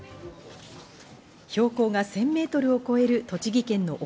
標高が１０００ｍを超える栃木県の奥